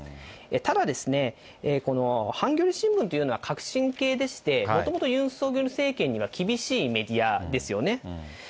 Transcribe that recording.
ただ、このハンギョレ新聞というのは革新系でして、もともとユン・ソンニョル政権には厳しいメディアですよね。